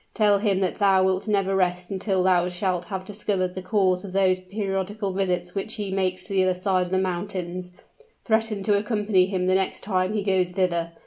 Tell him that thou wilt never rest until thou shalt have discovered the cause of those periodical visits which he makes to the other side of the mountains threaten to accompany him the next time he goes thither.